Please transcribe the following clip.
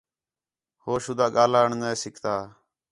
ہو شودا ڳاھلݨ نے سِکھدا